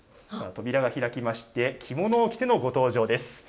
扉が開きまして、着物を着てのご登場です。